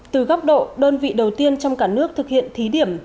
từ góc độ đơn vị đầu tiên trong cả nước thực hiện thí điểm